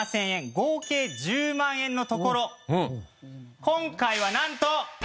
合計１０万円のところ今回はなんと！